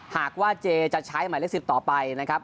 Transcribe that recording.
หากว่าเจจะใช้หมายเลข๑๐ต่อไปนะครับ